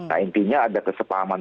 nah intinya ada kesepahaman